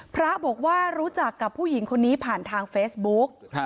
พระบอกว่ารู้จักกับผู้หญิงคนนี้ผ่านทางเฟซบุ๊ก